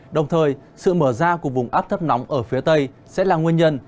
đồng thời sự mở ra của vùng áp thấp nóng ở phía tây sẽ là nguyên nhân